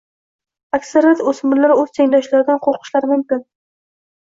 Aksariyat o‘smirlar o‘z tengdoshlaridan qo‘rqishlari mumkin.